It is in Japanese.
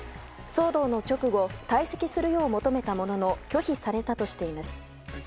騒動の直後退席するよう求めたものの拒否されたとしています。